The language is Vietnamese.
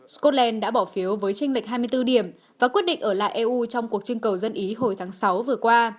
scotland đã bỏ phiếu với tranh lệch hai mươi bốn điểm và quyết định ở lại eu trong cuộc trưng cầu dân ý hồi tháng sáu vừa qua